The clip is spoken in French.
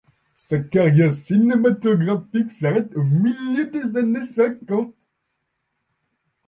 Sa carrière cinématographique s'arrête au milieu des années cinquante.